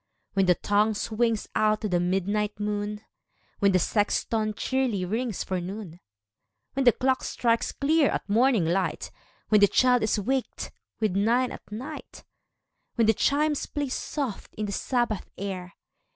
When the tonirue swino;s out to the midnin; ht moon— When the sexton checrly rings for noon — When the clock strikes clear at morning light — When the child is waked with " nine at night" — When the chimes play soft in the Sabbath air.